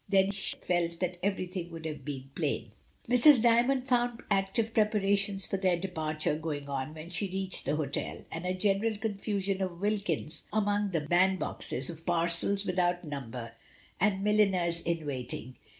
Then she felt that everything would have been plain. Mrs. Djnnond found active preparations for their departure going on when she reached the hotel, and a general confusion of Wilkins among the band boxes, of parcels without number, and milliners in waiting.